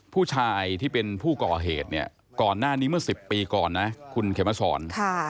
ผู้ชายที่เป็นผู้ก่อเหตุเนี่ยก่อนหน้านี้เมื่อ๑๐ปีก่อนนะคุณเขมสอน